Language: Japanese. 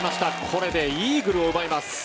これでイーグルを奪います。